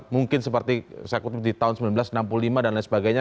mungkin seperti saya kutip di tahun seribu sembilan ratus enam puluh lima dan lain sebagainya